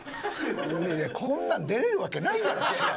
いやいやこんなん出れるわけないやん試合。